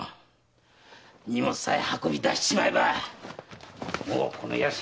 荷物さえ運び出しちまえばもうこの屋敷は御用済みだ。